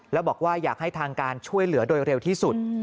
แล้วบอกว่าอยากให้ทางการช่วยเหลือโดยเร็วที่สุด